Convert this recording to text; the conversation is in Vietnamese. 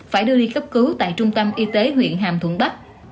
phải đưa đi cấp cứu tại trung tâm y tế huyện hàm thuận bắc